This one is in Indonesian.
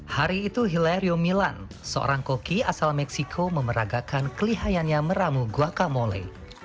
hari itu hilario milan seorang koki asal meksiko memeragakan kelihayannya meramu guacamole